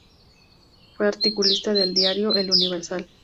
Fue articulista del diario El Universal.